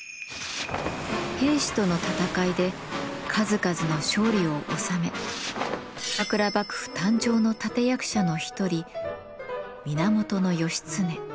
平氏との戦いで数々の勝利を収め鎌倉幕府誕生の立て役者の一人源義経。